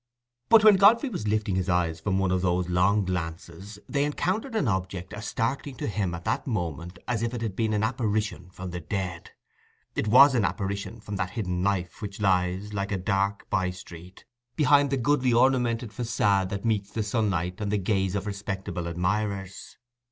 But when Godfrey was lifting his eyes from one of those long glances, they encountered an object as startling to him at that moment as if it had been an apparition from the dead. It was an apparition from that hidden life which lies, like a dark by street, behind the goodly ornamented facade that meets the sunlight and the gaze of respectable admirers.